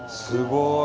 すごい。